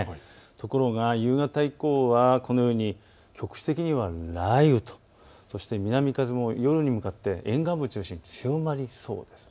ところが夕方以降は局地的には雷雨と、そして南風も夜に向かって沿岸部中心に強まりそうです。